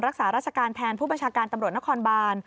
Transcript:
รักษาราชการแทนผู้บัญชาการตำรวจนครบาน